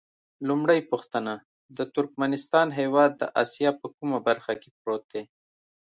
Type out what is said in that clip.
لومړۍ پوښتنه: د ترکمنستان هېواد د اسیا په کومه برخه کې پروت دی؟